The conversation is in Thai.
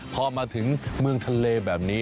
พอมาถึงเมืองทะเลแบบนี้